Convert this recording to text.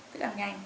tức là ăn nhanh